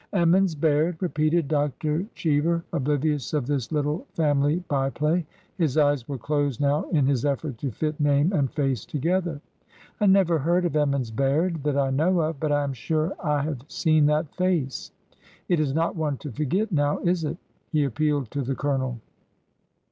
" Emmons Baird," repeated Dr. Cheever, oblivious of this little family by play. His eyes were closed now in his effort to fit name and face together. " I never heard of Ernmons Baird that I know of, but I am sure I have ro6 ORDER NO. 11 seen that face. It is not one to forget, now, is it ? He appealed to the Colonel.